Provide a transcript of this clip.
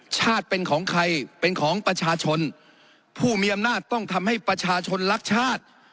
ชาติเป็นของใครเป็นของประชาชนผู้มีอำนาจต้องทำให้ประชาชนรักชาติ